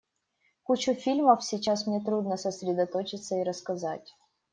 Кучу фильмов — сейчас мне трудно сосредоточиться и рассказать.